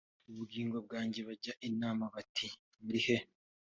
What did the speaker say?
ubugingo bwanjye bajya inama bati murihe